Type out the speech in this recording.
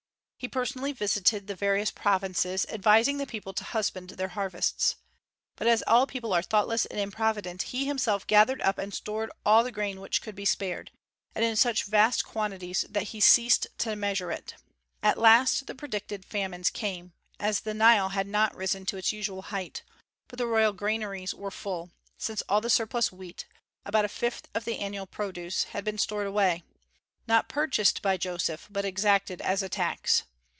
He personally visited the various provinces, advising the people to husband their harvests. But as all people are thoughtless and improvident, he himself gathered up and stored all the grain which could be spared, and in such vast quantities that he ceased to measure it. At last the predicted famine came, as the Nile had not risen to its usual height; but the royal granaries were full, since all the surplus wheat about a fifth of the annual produce had been stored away; not purchased by Joseph, but exacted as a tax.